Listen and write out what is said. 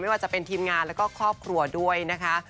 ว่าจะเป็นทีมงานแล้วก็ครอบครัวด้วยนะคะ